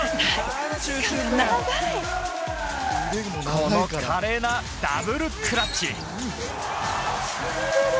この華麗なダブルクラッチ。